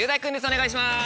お願いします。